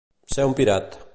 Ser un pirat.